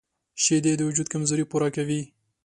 شیدې د وجود کمزوري پوره کوي